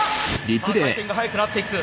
さあ回転が速くなっていく。